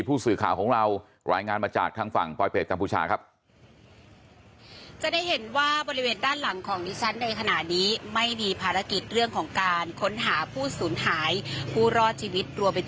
ผู้สื่อข่าวของเรารายงานมาจากทางฝั่งปลอยเปรตกัมพูชาครับ